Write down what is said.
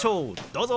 どうぞ。